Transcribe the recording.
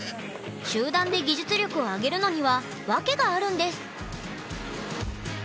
集団で技術力を上げるのには訳があるんです。